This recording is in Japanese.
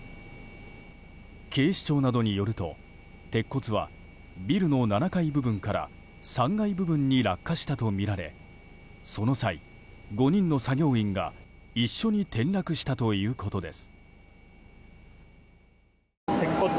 警視庁などによると鉄骨はビルの７階部分から３階部分に落下したとみられその際、５人の作業員が一緒に転落したということです。